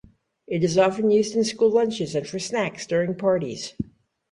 It is often used in school lunches and for snacks during parties.